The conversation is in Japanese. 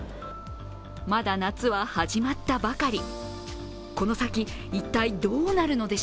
まだ夏は始まったばかり。